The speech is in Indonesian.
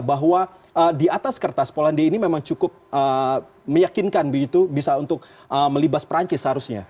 bahwa di atas kertas polandia ini memang cukup meyakinkan begitu bisa untuk melibas perancis seharusnya